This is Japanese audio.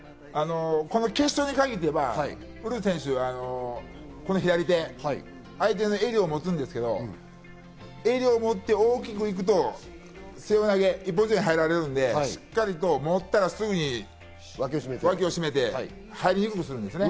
決勝に限ってはウルフ選手はこの左手、相手の襟を持つんですけど、襟を持って大きく行くと、背負い投げ、一本背負いに入られるので、しっかり持ったらすぐに脇を絞めて入りにくくするんですね。